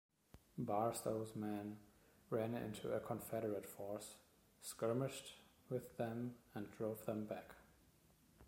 Barstow's men ran into a Confederate force, skirmished with them and drove them back.